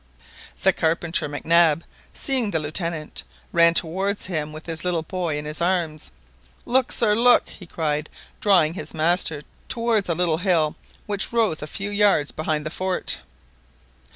The carpenter Mac Nab, seeing the Lieutenant, ran towards him with his little boy in his arms. "Look, sir, look!" he cried, drawing his master towards a little hill which rose a few yards behind the fort.